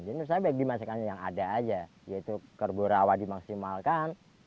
jadi saya bagi masing masing yang ada saja yaitu kerbu rawa dimaksimalkan